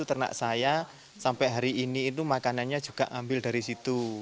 ternak saya sampai hari ini itu makanannya juga ambil dari situ